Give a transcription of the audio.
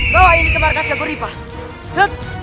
bawa ini ke markas yang guripah